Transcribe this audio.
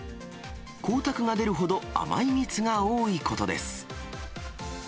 光沢が出るほど甘い蜜が多いことです。